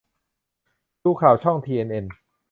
ดูข่าวช่องทีเอ็นเอ็น